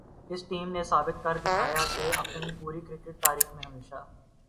اس team نے ثابت کر دکھایا کہ اپنی پوری کرکٹ تاریخ میں ہمیشہ